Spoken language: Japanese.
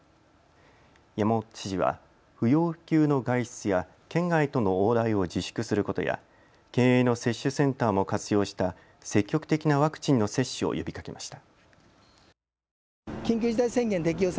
山本知事は、不要不急の外出や県外との往来を自粛することや県営の接種センターも活用した積極的なワクチンの接種を呼びかけました。